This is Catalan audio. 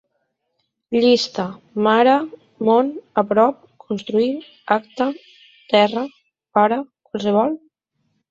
Llista: mare, món, a prop, construir, acte, terra, pare, qualsevol